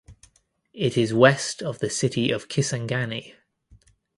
It is west of the city of Kisangani.